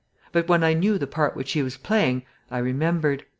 But, when I knew the part which she was playing, I remembered.